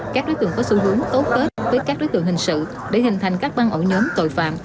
các đối tượng có xu hướng tốt tết với các đối tượng hình sự để hình thành các băng ổ nhóm tội phạm